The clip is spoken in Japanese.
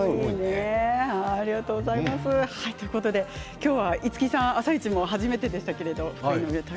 今日は五木さん「あさイチ」、初めてでしたね。